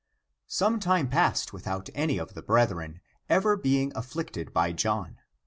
Some time passed without any of the breth ren ever being afflicted by John.